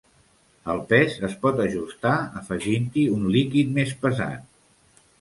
El pes es pot ajustar afegint-hi un líquid més pesat.